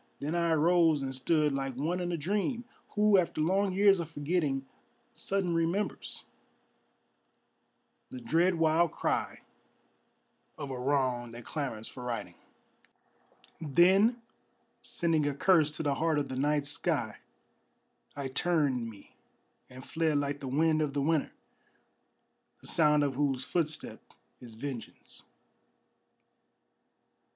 Then I arose, and stood like one in a dream Who, after long years of forgetting, sudden remembers The dread wild cry of a wrong that clamors for righting; Then sending a curse to the heart of the night sky, I turned me And fled like the wind of the winter, the sound of whose footstep is vengeance.